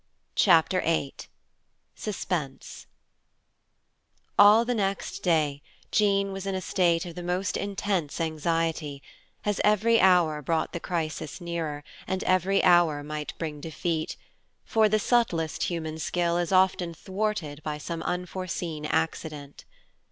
Chapter VIII SUSPENSE All the next day, Jean was in a state of the most intense anxiety, as every hour brought the crisis nearer, and every hour might bring defeat, for the subtlest human skill is often thwarted by some unforeseen accident.